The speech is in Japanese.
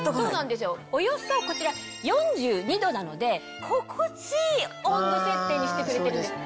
およそこちら４２℃なので心地いい温度設定にしてくれてるんです。